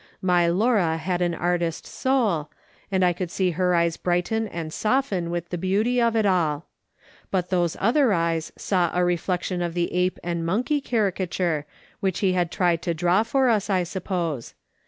My Laura had an artist soul, and I could see her eyes brighten and soften with the beauty of it all ; but those other eyes saw a re flection of the ape and monkey caricature which he had tried to draw for us, I suppose.